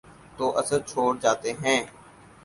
تو اثر چھوڑ جاتے ہیں۔